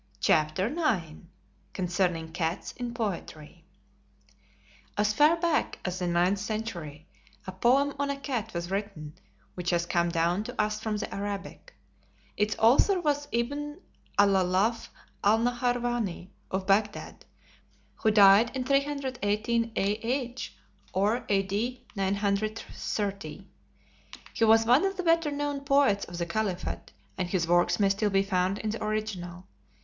CHAPTER IX CONCERNING CATS IN POETRY As far back as the ninth century, a poem on a cat was written, which has come down to us from the Arabic. Its author was Ibn Alalaf Alnaharwany, of Bagdad, who died in 318 A.H. or A.D. 930. He was one of the better known poets of the khalifate, and his work may still be found in the original.